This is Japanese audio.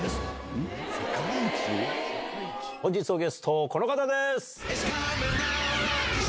本日のゲスト、この方です。